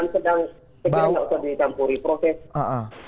sekarang tidak usah ditampuri proses